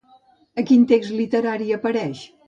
A quin text literari apareix?